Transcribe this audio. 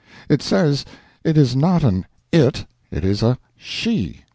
It says it is not an It, it is a She.